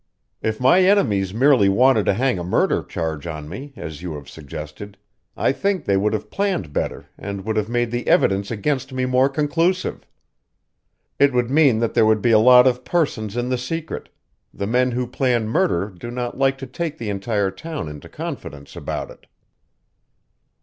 "If my enemies merely wanted to hang a murder charge on me, as you have suggested, I think they would have planned better and would have made the evidence against me more conclusive. It would mean that there would be a lot of persons in the secret; the men who plan murder do not like to take the entire town into confidence about it."